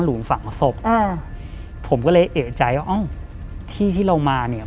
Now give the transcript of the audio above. ฝังศพอ่าผมก็เลยเอกใจว่าเอ้าที่ที่เรามาเนี้ย